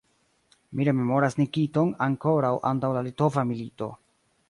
Mi rememoras Nikiton ankoraŭ antaŭ la litova milito.